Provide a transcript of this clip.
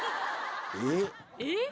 えっ？